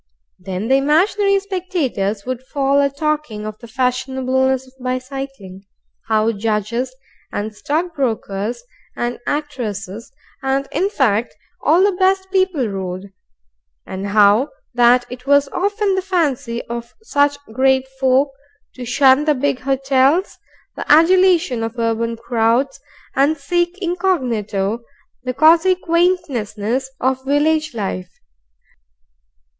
Then the imaginary spectators would fall a talking of the fashionableness of bicycling, how judges And stockbrokers and actresses and, in fact, all the best people rode, and how that it was often the fancy of such great folk to shun the big hotels, the adulation of urban crowds, and seek, incognito, the cosy quaintnesses of village life.